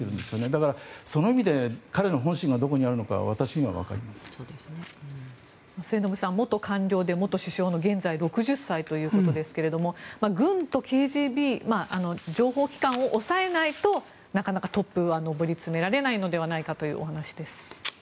だからその意味で彼の本心はどこにあるのか末延さん元官僚で元首相の現在６０歳ということですが軍とＫＧＢ情報機関を抑えないとなかなかトップに上り詰められないのではないかというお話です。